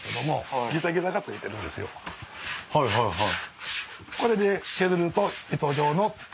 はいはいはい。